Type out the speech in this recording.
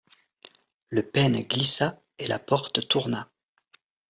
Le pêne glissa et la porte tourna.